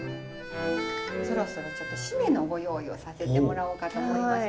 そろそろちょっと〆のご用意をさせてもらおうかと思いまして。